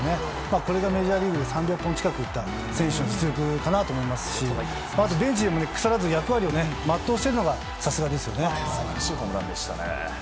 これがメジャーリーグで３００本近く打った選手の実力かなと思いますしベンチでも腐らず役割を全うしているのがさすがですね。